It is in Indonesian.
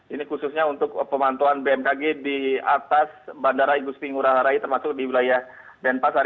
ini khususnya untuk pemantauan bmkg di atas bandara igusti ngurah rai termasuk di wilayah denpasar